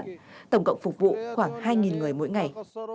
chúng tôi sẽ phục vụ khoảng hai người mỗi ngày